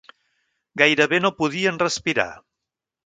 Gairebé no podien respirar!